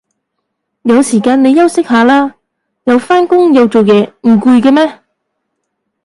有時間你休息下啦，又返工又做嘢唔攰嘅咩